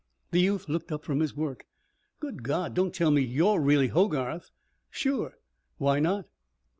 The youth looked up from his work. "Good God, don't tell me you're really Hogarth!" "Sure. Why not?"